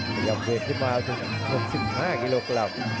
พยายามเทจขึ้นมาถึง๖๕กิโลกรัม